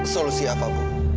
solusi apa bu